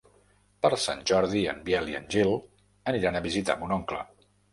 Per Sant Jordi en Biel i en Gil aniran a visitar mon oncle.